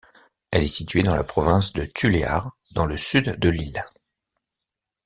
Elle est située dans la province de Tuléar, dans le sud de l'île.